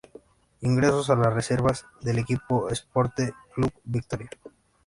Ingresó a las reservas del equipo Esporte Clube Vitória.